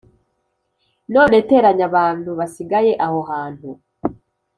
None teranya abantu basigaye aho hantu